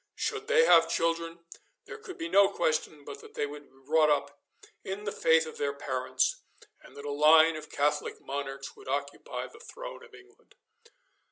Should they have children, there could be no question but that they would be brought up in the faith of their parents, and that a line of Catholic monarchs would occupy the throne of England.